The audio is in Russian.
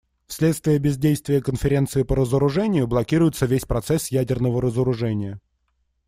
Вследствие бездействия Конференции по разоружению блокируется весь процесс ядерного разоружения.